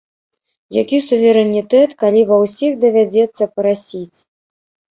Які суверэнітэт, калі ва ўсіх давядзецца прасіць?!